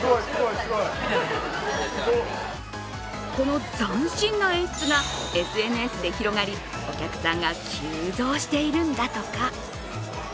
この斬新な演出がＳＮＳで広がりお客さんが急増しているんだとか。